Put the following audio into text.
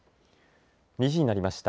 ２時になりました。